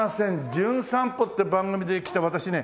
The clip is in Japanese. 『じゅん散歩』って番組で来た私ね